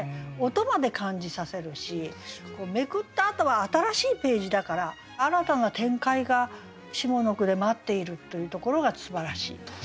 音まで感じさせるし捲ったあとは新しいページだから新たな展開が下の句で待っているというところがすばらしい。